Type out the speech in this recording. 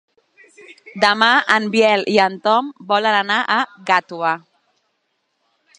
Demà en Biel i en Tom volen anar a Gàtova.